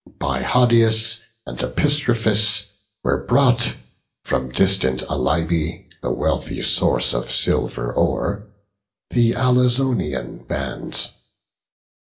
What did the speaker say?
By Hodius and Epistrophus were brought From distant Alybe, the wealthy source Of silver ore, the Alizonian bands.